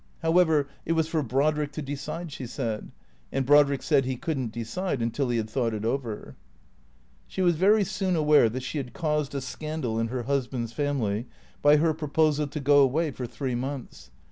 However, it was for Brodrick to decide, she said. And Brod rick said he could n't decide until he had thought it over. She was very soon aware that she had caused a scandal in her husband's family by her proposal to go away for three months.